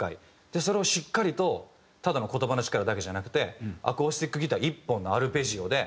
それをしっかりとただの言葉の力だけじゃなくてアコースティックギター１本のアルペジオで。